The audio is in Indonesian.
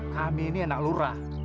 kami ini anak lurah